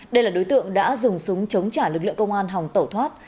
đây là đối tượng đã dùng súng chống trả lực lượng công an hòng tẩu thoát